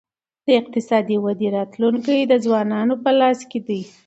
د اقتصادي ودې راتلونکی د ځوانانو په لاس کي دی.